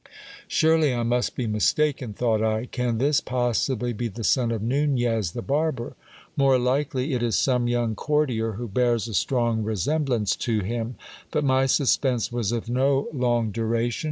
Surely I must be mistaken ! thought I. Can this possibly be the son of Xunez the barber ? More likely it is some young courtier who bears a strong resemblance to him. But my suspense was of no long duration.